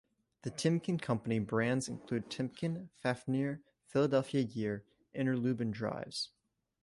The Timken Company brands includes Timken, Fafnir, Philadelphia Gear, Interlube and Drives.